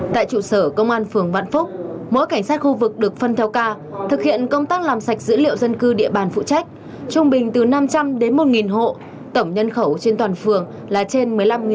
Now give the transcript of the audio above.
tại trụ sở công an phường vạn phúc mỗi cảnh sát khu vực được phân theo ca thực hiện công tác làm sạch dữ liệu dân cư địa bàn phụ trách trung bình từ năm trăm linh đến một hộ tổng nhân khẩu trên toàn phường là trên một mươi năm người